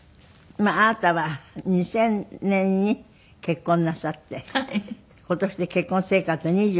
あなたは２０００年に結婚なさって今年で結婚生活２３年になります。